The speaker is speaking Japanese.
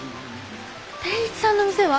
定一さんの店は？